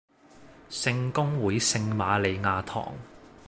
聖公會聖馬利亞堂